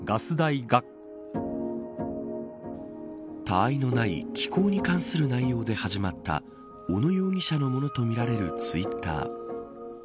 他愛のない気候に関する内容で始まった小野容疑者のものとみられるツイッター。